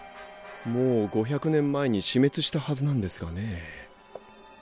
もう５００年前に死滅したはずなんですがね。